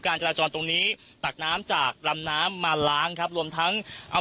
จราจรตรงนี้ตักน้ำจากลำน้ำมาล้างครับรวมทั้งเอา